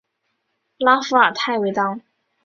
拉弗尔泰维当。